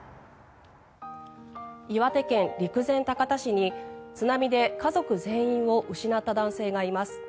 岩手県陸前高田市に津波で家族全員を失った男性がいます。